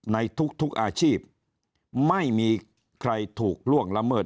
ในทุกอาชีพไม่มีใครถูกล่วงละเมิด